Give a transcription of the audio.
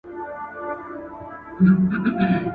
علامه رشاد خپل ژوند د علم، ادب او وطن په خدمت کې تېر کړ.